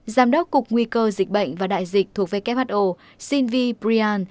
giám đốc cục nguy cơ dịch bệnh và đại dịch thuộc who sinvi priyan